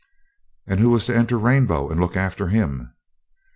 'And who was to enter Rainbow and look after him?'